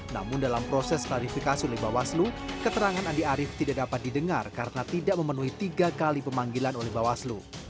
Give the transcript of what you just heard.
namun dalam proses klarifikasi oleh bawaslu keterangan andi arief tidak dapat didengar karena tidak memenuhi tiga kali pemanggilan oleh bawaslu